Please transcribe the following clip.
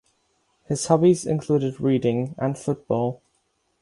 His hobbies included reading and football.